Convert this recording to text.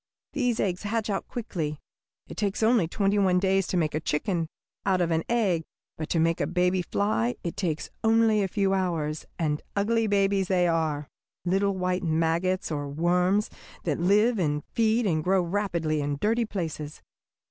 These eggs hatch out quickly. It takes only twenty one days to make a chicken out of an egg, but to make a baby fly it takes only a few hours, and ugly babies they are little white maggots, or worms, that live and feed and grow rapidly in dirty places.